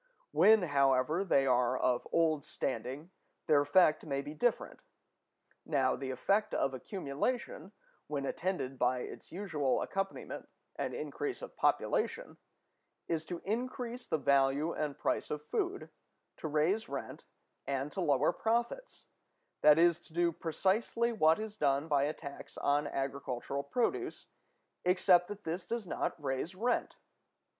When, however, they are of old standing, their effect may be different. Now, the effect of accumulation, when attended by its usual accompaniment, an increase of population, is to increase the value and price of food, to raise rent, and to lower profits; that is, to do precisely what is done by a tax on agricultural produce, except that this does not raise rent.